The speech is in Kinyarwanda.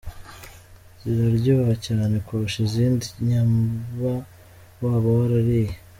Ziraryoha cyane kurusha izindi nyaba waba warariye.